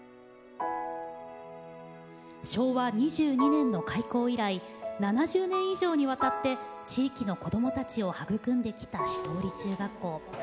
昭和２２年の開校以来７０年以上にわたって地域の子どもたちを育んできた倭文中学校。